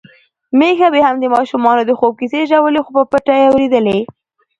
میښه بيا هم د ماشومانو د خوب کیسې ژولي، خو په پټه يې اوريدلې.